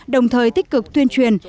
đồng thời tích cực tuyên truyền